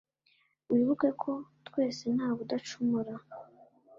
wibuke ko twese nta we udacumura